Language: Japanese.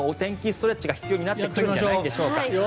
ストレッチが必要になるんじゃないでしょうか。